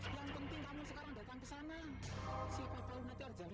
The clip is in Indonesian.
aku ingin tahu apa yang akan terjadi